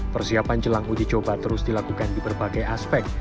persiapan jelang uji coba terus dilakukan di berbagai aspek